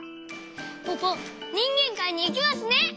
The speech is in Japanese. ポポにんげんかいにいけますね！